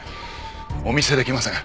お見せできません。